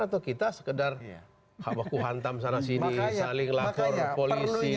atau kita sekadar habaku hantam sana sini saling lapor polisi